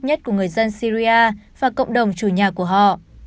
nhất của người dân syria và cộng đồng chủ nhà của họ